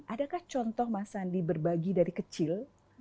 adakah contoh mas andi berbagi dari kecil